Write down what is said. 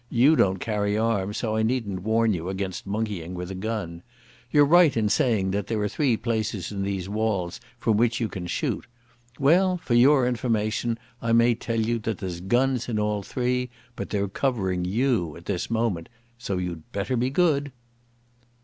You don't carry arms, so I needn't warn you against monkeying with a gun. You're right in saying that there are three places in these walls from which you can shoot. Well, for your information I may tell you that there's guns in all three, but they're covering you at this moment. So you'd better be good."